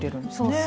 そう。